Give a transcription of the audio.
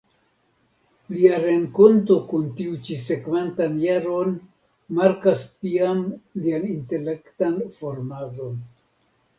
Lia renkonto kun tiu ĉi sekvantan jaron markas tiam lian intelektan formadon.